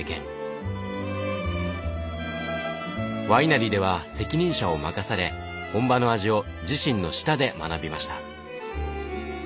ワイナリーでは責任者を任され本場の味を自身の舌で学びました。